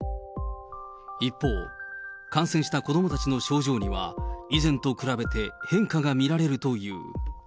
一方、感染した子どもたちの症状には、以前と比べて変化が見られるという。